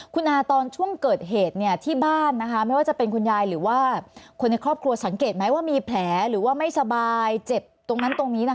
คุณอาตอนช่วงเกิดเหตุที่บ้านนะคะไม่ว่าจะเป็นคุณยายหรือว่าคนในครอบครัวสังเกตไหมว่ามีแผลหรือว่าไม่สบายเจ็บตรงนั้นตรงนี้